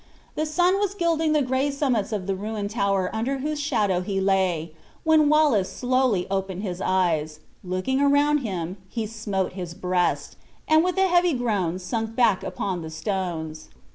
The sun was gilding the gray summits of the ruined tower under whose shadow he lay, when Wallace slowly opened his eyes; looking around him, he smote his breast, and with a heavy groan sunk back upon the stones.